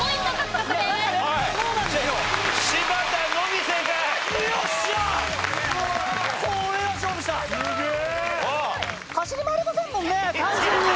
走り回れませんもんね！